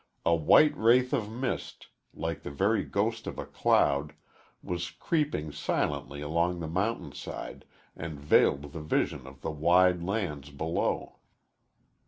A white wraith of mist, like the very ghost of a cloud, was creeping silently along the mountain side and veiled the vision of the wide lands below.